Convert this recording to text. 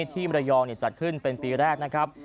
มรยองจัดขึ้นเป็นปีแรกนะครับ